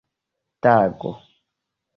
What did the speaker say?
tago